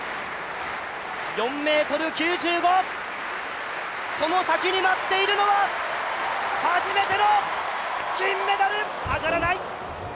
４ｍ９５、その先に待っているのは初めての金メダル。上がらない！